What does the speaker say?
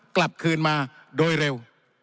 กลับคืนมาโดยเร็ว